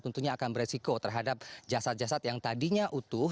tentunya akan beresiko terhadap jasad jasad yang tadinya utuh